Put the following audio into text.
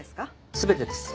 全てです。